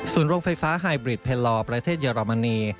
ส่วนโรงไฟฟ้าไฮบริดเพลลอประเทศเยอรมนี